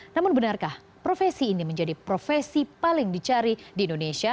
namun benarkah profesi ini menjadi profesi paling dicari di indonesia